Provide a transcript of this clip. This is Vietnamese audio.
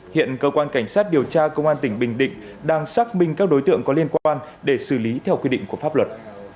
hiện cơ quan cảnh sát điều tra công an tỉnh bình định đang xác minh các đối tượng có liên quan để xử lý theo quy định của pháp luật